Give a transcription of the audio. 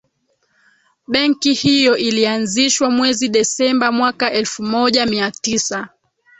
benki hiyo ilianzishwa mwezi desemba mwaka elfu moja mia tisa